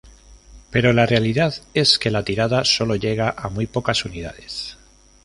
Pero la realidad es que la tirada solo llega a muy pocas unidades.